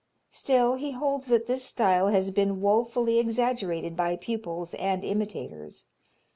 Still he holds that this style has been woefully exaggerated by pupils and imitators.